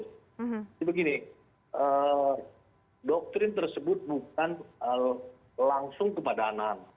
jadi begini doktrin tersebut bukan langsung kepada anak